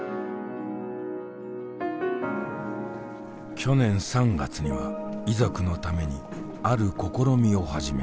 去年３月には遺族のためにある試みを始めた。